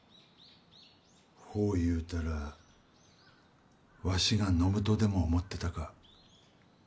ほう言うたらわしがのむとでも思ってたか？